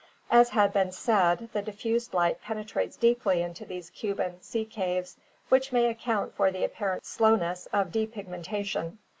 As has been said, the diffused light penetrates deeply into these Cuban sea caves, which may account for the apparent slowness of depigmentation.